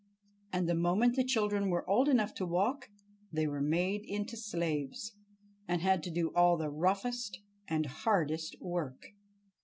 And the moment the children were old enough to work, they were made into slaves, and had to do all the roughest and hardest work.